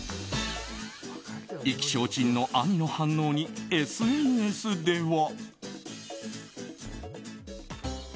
意気消沈の兄の反応にＳＮＳでは。